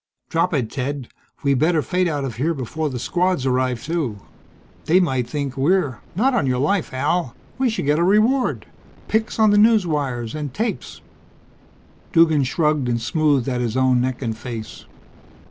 "Drop it, Ted. We better fade out of here before the Squads arrive, too. They might think we're " "Not on your life, Al. We should get a reward. Pics on the newswires and tapes." Duggan shrugged and smoothed at his own neck and face.